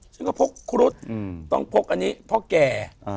ฉันก็พกครุฑต้องพกอันนี้พ่อแก่